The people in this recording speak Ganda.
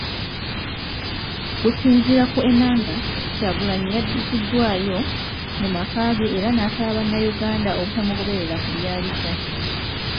Okusinziira ku Enanga, Kyagulanyi yaddiziddwayo mu maka ge era n'asaba bannayuganda obutamugoberera ku byaliko.